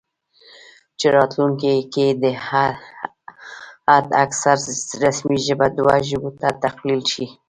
چې راتلونکي کې دې حد اکثر رسمي ژبې دوه ژبو ته تقلیل شي